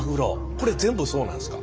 これ全部そうなんですか？